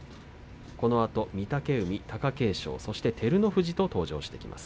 このあと御嶽海、貴景勝そして照ノ富士と登場します。